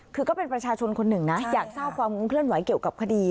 คือก็เป็นประชาชนคนหนึ่งนะอยากทราบความเคลื่อนไหวเกี่ยวกับคดี